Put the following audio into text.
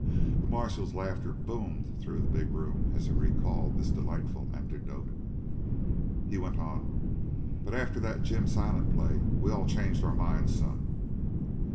The marshal's laughter boomed through the big room as he recalled this delightful anecdote. He went on: "But after that Jim Silent play we all changed our minds, some.